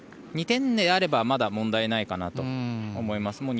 ２点であればまだ問題ないかなと思います。